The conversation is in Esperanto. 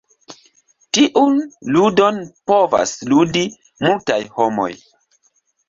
Tiun "ludon" povas "ludi" multaj homoj.